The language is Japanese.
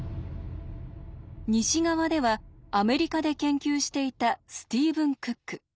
西側ではアメリカで研究していたスティーブン・クック。